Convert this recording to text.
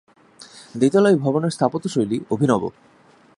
দ্বিতল এই ভবনের স্থাপত্য শৈলী অভিনব।